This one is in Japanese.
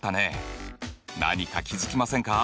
何か気付きませんか？